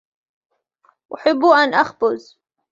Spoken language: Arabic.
احب ان اخبز.